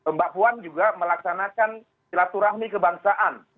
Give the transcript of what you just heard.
mbak puan juga melaksanakan silaturahmi kebangsaan